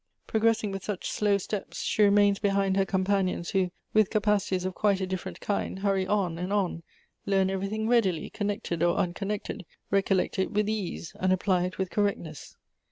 30 Goethe's " Progressing with such slow steps, she remains behind her companions, who, with capacities of quite a different kind, hurry on and on, learn everything readily, connected or unconnected, recollect it with ease, and apply it with correctness.